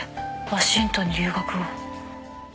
ワシントンに留学を。